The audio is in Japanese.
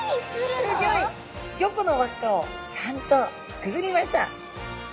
５個の輪っかをちゃんとくぐりました。